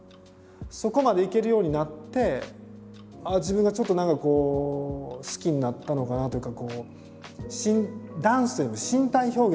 そこまでいけるようになってああ自分がちょっと何かこう好きになったのかなというか。